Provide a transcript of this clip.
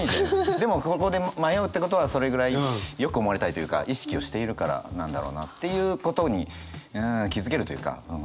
でもここで迷うってことはそれぐらいよく思われたいっていうか意識をしているからなんだろうなっていうことにん気付けるというかうん。